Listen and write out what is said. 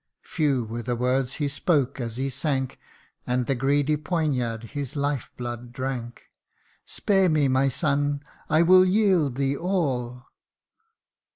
Few were the words he spoke as he sank ; And the greedy poniard his life blood drank :' Spare me, my son, I will yield thee all.'